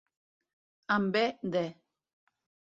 En bé de.